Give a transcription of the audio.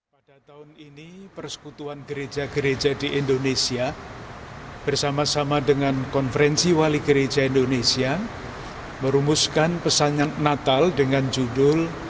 pada tahun ini persekutuan gereja gereja di indonesia bersama sama dengan konferensi wali gereja indonesia merumuskan pesanan natal dengan judul